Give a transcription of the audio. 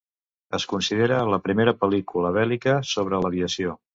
Es considera la primera pel·lícula bèl·lica sobre l'aviació.